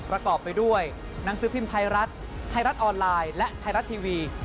ประกอบไปด้วยหนังสือพิมพ์ไทยรัฐไทยรัฐออนไลน์และไทยรัฐทีวี